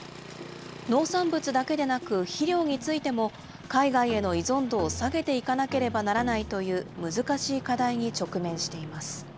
農産物だけでなく、肥料についても、海外への依存度を下げていかなければならないという、難しい課題